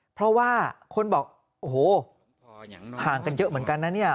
เพราะว่าคนบอกโอ้โหห่างกันเยอะเหมือนกันนะเนี่ย